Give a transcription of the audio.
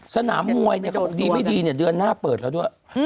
สนามมวยดีไม่ดีเดือนหน้าเปิดแล้วด้วย